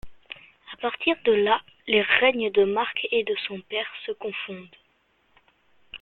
À partir de là, les règnes de Marc et de son père se confondent.